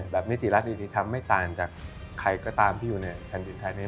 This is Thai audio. นิติรัฐยุติธรรมไม่ต่างจากใครก็ตามที่อยู่ในแผ่นดินไทยนี้